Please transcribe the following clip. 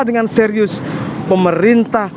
dengan serius pemerintah